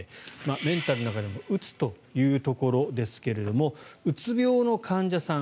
メンタルの中でもうつというところですがうつ病の患者さん